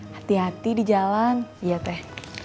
hati hati di jalan lihat teh